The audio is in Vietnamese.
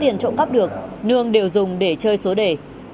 nương đều dùng để chơi số đề